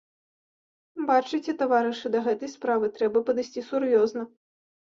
Бачыце, таварышы, да гэтай справы трэба падысці сур'ёзна.